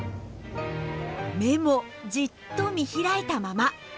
目もじっと見開いたまま。